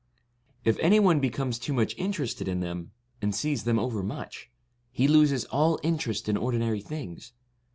If any one becomes too much interested in them, and sees them over much, he loses all interest in ordinary things.